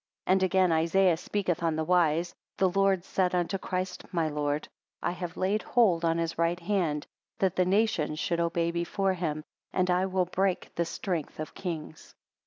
14 And again Isaiah speaketh on this wise, The Lord said unto Christ my Lord, I have laid hold on his right hand, that the nations should obey before him, and I will break the strength of kings.